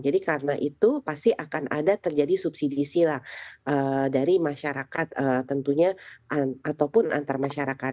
jadi karena itu pasti akan ada terjadi subsidi sila dari masyarakat tentunya ataupun antar masyarakat